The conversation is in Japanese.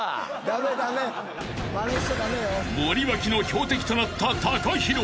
［森脇の標的となったＴＡＫＡＨＩＲＯ］